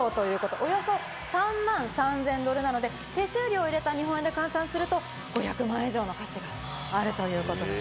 およそ３万３０００ドルなので、手数料入れた日本円で換算すると５００万円以上の価値があるということ。